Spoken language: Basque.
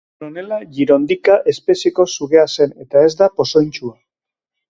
Coronella girondica espezieko sugea zen eta ez da pozoitsua.